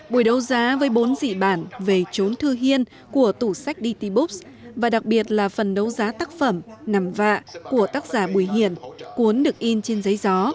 buổi đấu giá với bốn dị bản về trốn thư hiên của tủ sách dti books và đặc biệt là phần đấu giá tác phẩm nằm vạ của tác giả bùi hiển cuốn được in trên giấy gió